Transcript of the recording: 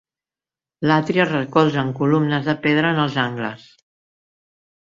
L'atri es recolza en columnes de pedra en els angles.